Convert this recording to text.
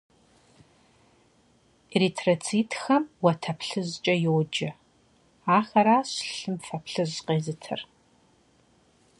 Эритроцитхэм уэтэ плъыжькӏэ йоджэ. Ахэращ лъым фэ плъыжь къезытыр.